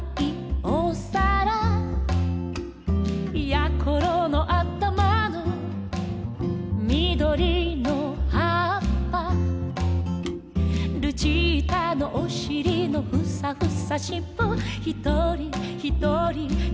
「やころのあたまのみどりのはっぱ」「ルチータのおしりのふさふさしっぽ」「ひとりひとりちがうもの」